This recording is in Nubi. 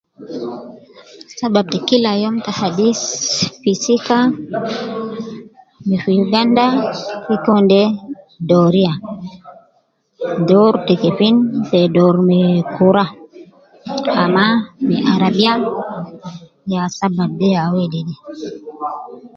Saba ta Kila youm ta Hadith fi sika ma fi Uganda gi Kun de doriya door te kefin te dor ma kura au arabiya, ya Sabab de ya wede.